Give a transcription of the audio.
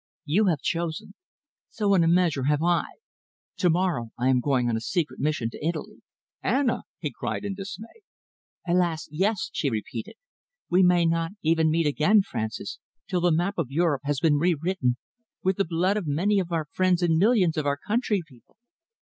You have chosen. So, in a measure, have I. Tomorrow I am going on a secret mission to Italy." "Anna!" he cried in dismay. "Alas, yes!" she repeated, "We may not even meet again, Francis, till the map of Europe has been rewritten with the blood of many of our friends and millions of our country people.